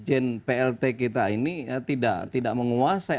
sekjen dpr ini ya ini kelihatan bahwa sekjen dpr ini tidak menguasai